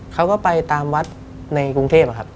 เขาก็ไปตามวัดในกรุงเทพครับ